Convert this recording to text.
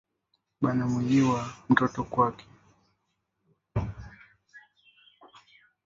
Bana muuwiya mtoto kwake